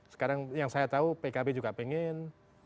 sekarang yang saya tahu pkb juga pengen